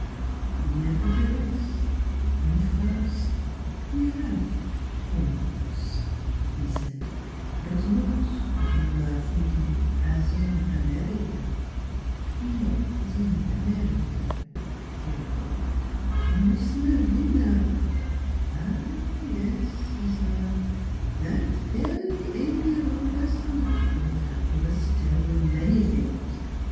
" Nevertheless in France we have homes," he said; "but not you are thinking as in America ?"" Not as in America," she echoed. " Mees Malvina "" Ah, yes," he smiled, " that very amiable per son will doubtless tell you many things.